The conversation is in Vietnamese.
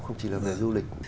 không chỉ là về du lịch